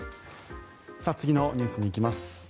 次のニュースに行きます。